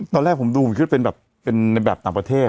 ตอนแรกผมดูคิดว่าเป็นในแบบต่างประเทศ